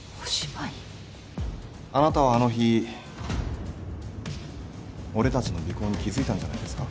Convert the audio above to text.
あなたはあの日俺たちの尾行に気付いたんじゃないですか？